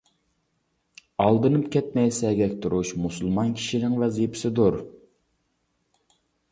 ئالدىنىپ كەتمەي، سەگەك تۇرۇش مۇسۇلمان كىشىنىڭ ۋەزىپىسىدۇر.